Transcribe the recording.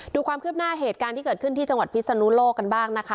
ดูความคืบหน้าเหตุการณ์ที่เกิดขึ้นที่จังหวัดพิศนุโลกกันบ้างนะคะ